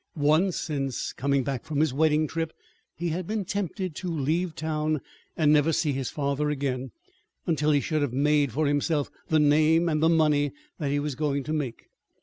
Once, since coming back from his wedding trip, he had been tempted to leave town and never see his father again until he should have made for himself the name and the money that he was going to make.